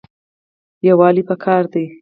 یووالی پکار دی